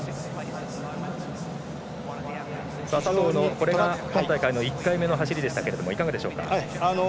佐藤の、これが今大会１回目の走りでしたがいかがでしょうか。